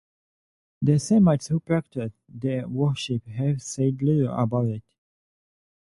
The Semites who practiced the worship have said little about it.